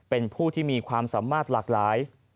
เป็นผู้ที่มีความสามารถหลากหลาย